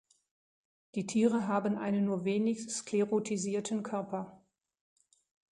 Die Tiere haben einen nur wenig sklerotisierten Körper.